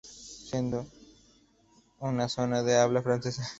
Siendo una zona de habla francesa.